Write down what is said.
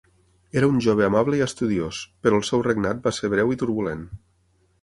Era un jove amable i estudiós, però el seu regnat va ser breu i turbulent.